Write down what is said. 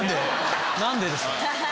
何でですか？